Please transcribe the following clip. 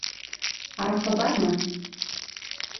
Араҡы бармы?